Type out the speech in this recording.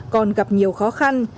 còn gặp nhiều khó khăn